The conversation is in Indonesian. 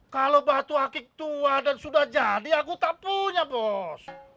kalau batu akik tua dan sudah jadi aku tak punya bos